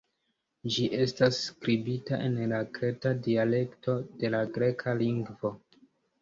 Ĝi estas skribita en la Kreta dialekto de la Greka lingvo.